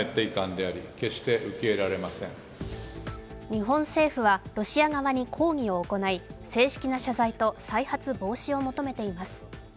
日本政府は、ロシア側に抗議を行い正式な謝罪と再発防止を求めています。